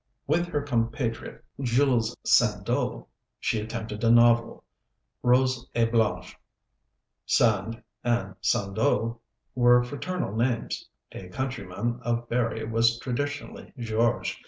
With her compatriot Jules Sandeau, she attempted a novel Rose et Blanche. "Sand" and Sandeau were fraternal names; a countryman of Berri was traditionally George.